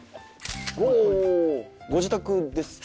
おご自宅ですか？